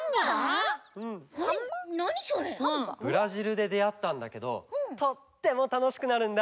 ブラジルでであったんだけどとってもたのしくなるんだ。